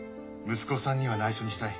息子さんには内緒にしたい。